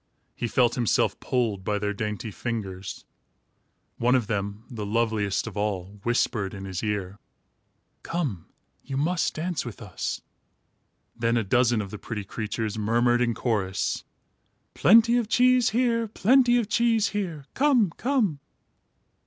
He felt himself pulled by their dainty fingers. One of them, the loveliest of all, whispered in his ear: "Come, you must dance with us." Then a dozen of the pretty creatures murmured in chorus: "Plenty of cheese here. Plenty of cheese here. Come, come!"